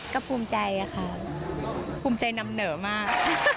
ก็ภูมิใจอะค่ะภูมิใจนำเหนอมาก